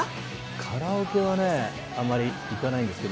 カラオケはね、あまり行かないんですけど。